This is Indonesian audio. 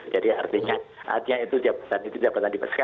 jadi artinya artinya itu jabatan itu jabatan divisi